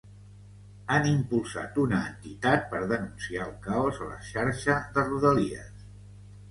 Han impulsat una entitat per denunciar el caos a la xarxa de Rodalies.